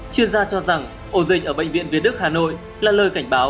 chuyên gia cho rằng ổ dịch ở bệnh viện việt đức hà nội là lời cảnh báo